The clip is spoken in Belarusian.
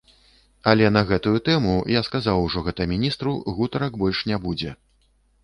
Але на гэтую тэму, я сказаў ужо гэта міністру, гутарак больш не будзе.